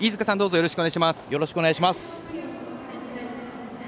よろしくお願いします。